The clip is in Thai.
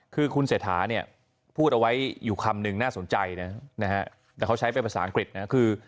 คือคุณเศรษฐาเนี่ยพูดเอาไว้อยู่คำนึงน่าสนใจนะแต่เขาใช้เป็นภาษาอังกฤษนะคือ